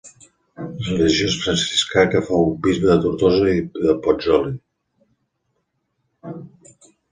Religiós franciscà que fou bisbe de Tortosa i de Pozzuoli.